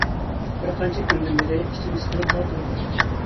بىر قانچە كۈندىن بىرى ئېچىم سىقىلىپلا تۇرىدۇ.